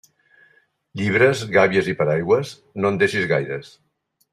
Llibres, gàbies i paraigües, no en deixis gaires.